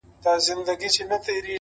خداى دي ساته له بــېـلــتــــونـــــه؛